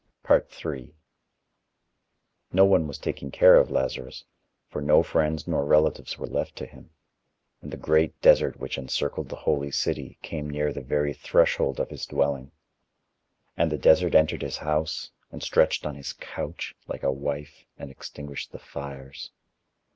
III No one was taking care of Lazarus, for no friends no relatives were left to him, and the great desert which encircled the holy city, came near the very threshold of his dwelling. And the desert entered his house, and stretched on his couch, like a wife and extinguished the fires.